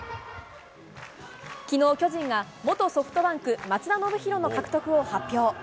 きのう、巨人が元ソフトバンク、松田宣浩の獲得を発表。